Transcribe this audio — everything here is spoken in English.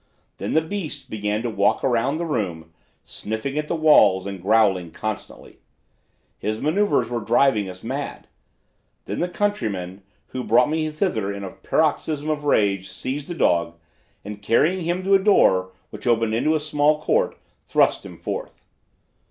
Then the beast began to walk around the room, sniffing at the walls and growling constantly. His maneuvers were driving us mad! Then the countryman, who had brought me thither, in a paroxysm of rage, seized the dog, and carrying him to a door, which opened into a small court, thrust him forth.